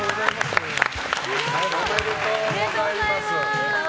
おめでとうございます。